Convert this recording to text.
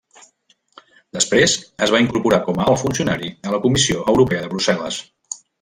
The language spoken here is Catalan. Després es va incorporar com a alt funcionari a la Comissió Europea de Brussel·les.